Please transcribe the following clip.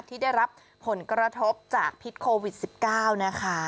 ที่ได้รับผลกระทบจากพิษโควิด๑๙นะคะ